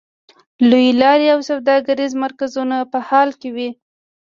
لویې لارې او سوداګریز مرکزونه په حال کې وې.